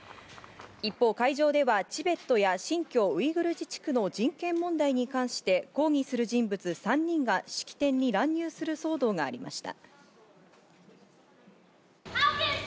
一方、会場ではチベットや新疆ウイグル自治区の人権問題に関して抗議する人物３人が式典に乱入する騒動がありました。